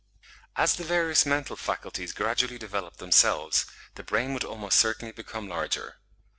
As the various mental faculties gradually developed themselves the brain would almost certainly become larger.